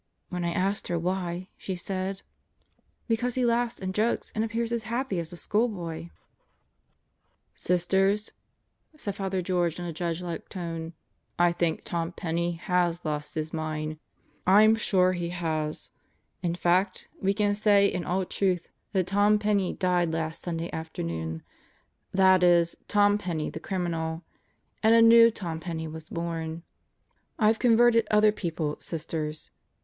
When I asked her why, she said, because he laughs and jokes and appears as happy as a schoolboy." 48 God Goes to Murderers Row "Sisters," said Father George in a judgelike tone. "I think Tom Penney has lost his mind. I'm sure he has! In fact we can say in all truth that Tom Penney died last Sunday afternoon that is, Tom Penney, the criminal and a new Tom Penney was born. I've converted other people, Sisters.